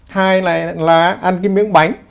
hai là ăn cái miếng bánh